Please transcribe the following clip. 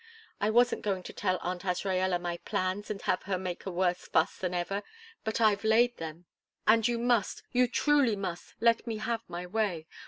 I wasn't going to tell Aunt Azraella my plans, and have her make a worse fuss than ever, but I've laid them, and you must, you truly must, let me have my way.